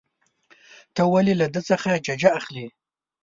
ته ولې له ده څخه ججه اخلې.